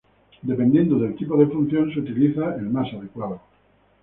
Dependiendo del tipo de función se utiliza el más adecuado.